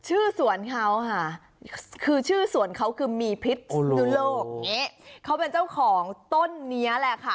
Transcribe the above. สวนเขาค่ะคือชื่อสวนเขาคือมีพิษนุโลกอย่างนี้เขาเป็นเจ้าของต้นนี้แหละค่ะ